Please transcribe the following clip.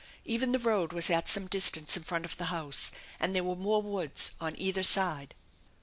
Even the road was at some distance in front of the house, and there were more woods on either side.